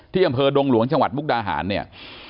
อำเภอดงหลวงจังหวัดมุกดาหารเนี่ย